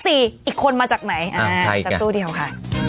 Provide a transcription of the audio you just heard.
อีกคนมาจากไหนอ่าจากตู้เดียวค่ะ